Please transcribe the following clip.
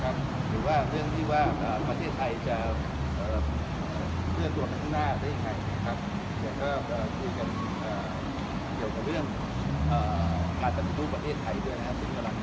เราเริ่มไปกำมาส์เรื่องที่ประเทศไทยกำลังเดินหน้ากลับไปสู่ชั้นแหละไทยนะครับ